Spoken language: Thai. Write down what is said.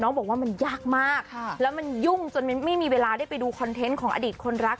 บอกว่ามันยากมากแล้วมันยุ่งจนไม่มีเวลาได้ไปดูคอนเทนต์ของอดีตคนรัก